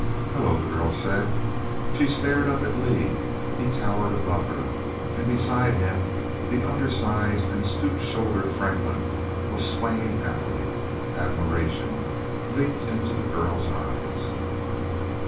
"Hello," the girl said. She stared up at Lee. He towered above her, and beside him the undersized and stoop shouldered Franklin was swaying happily. Admiration leaped into the girl's eyes.